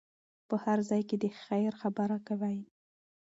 په هر ځای کې د خیر خبره کوئ.